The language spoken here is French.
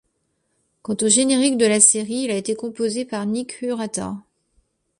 Quand au générique de la série, il a été composé par Nick Urata.